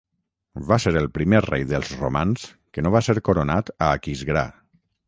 Va ser el primer rei dels romans que no va ser coronat a Aquisgrà.